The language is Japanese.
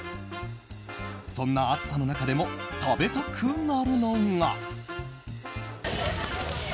そんな暑さの中でも食べたくなるのが。